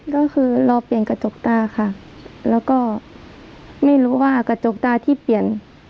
ก็คือรอเปลี่ยนกระจกตาค่ะแล้วก็ไม่รู้ว่ากระจกตาที่เปลี่ยน